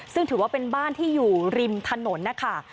ซึ่งถือว่าเป็นบ้านที่อยู่ริมถนนนะคะ